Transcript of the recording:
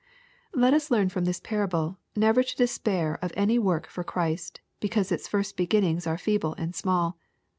Let us learn from this parable never to despair of any work for Christ, because its first beginnings are feeble and small.